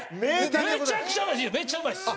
めちゃくちゃうまいめっちゃうまいです！